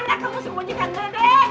di mana kamu sembunyikan dede